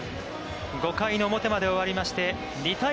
５回表まで終わりまして２対０。